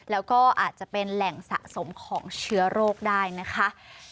แล้วก็อาจจะเป็นแหล่งสะสมของเชื้อโรคได้นะคะ